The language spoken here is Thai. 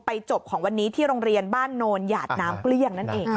จบของวันนี้ที่โรงเรียนบ้านโนนหยาดน้ำเกลี้ยงนั่นเอง